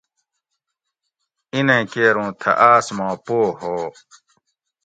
"اِنیں کیر اُوں تھۤہ آۤس ما پو ہو"""